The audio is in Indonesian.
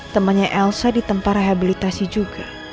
temannya elsa di tempat rehabilitasi juga